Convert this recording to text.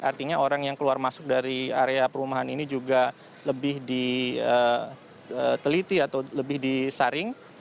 artinya orang yang keluar masuk dari area perumahan ini juga lebih diteliti atau lebih disaring